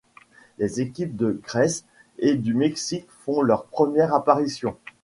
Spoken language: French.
Les équipes de Grèce et du Mexique font leur première apparition.